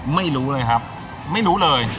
ไม่รู้เลยครับไม่รู้เลย